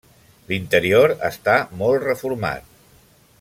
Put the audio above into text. L'interior està molt reformat.